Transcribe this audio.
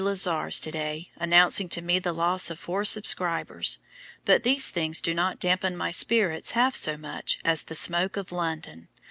Lizars to day announcing to me the loss of four subscribers; but these things do not dampen my spirits half so much as the smoke of London.